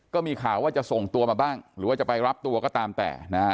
ก็มีข่าวว่าจะส่งตัวมาบ้างหรือว่าจะไปรับตัวก็ตามแต่นะฮะ